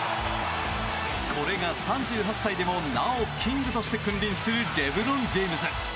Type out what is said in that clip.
これが３８歳でもなおキングとして君臨するレブロン・ジェームズ。